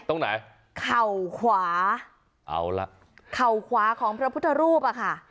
ตรงไหนเข่าขวาเอาละเข่าขวาของพระพุทธรูปอ่ะค่ะ